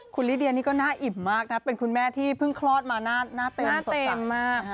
คุณลิเดียนี่ก็น่าอิ่มมากนะเป็นคุณแม่ที่เพิ่งคลอดมาหน้าเต็มสดจำมาก